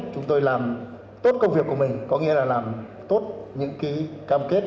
chúng tôi làm tốt công việc của mình có nghĩa là làm tốt những cam kết